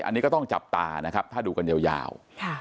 อันนี้ก็ต้องจับตานะครับถ้าดูกันยาว